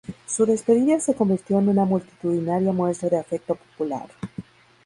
Su despedida se convirtió en una multitudinaria muestra de afecto popular.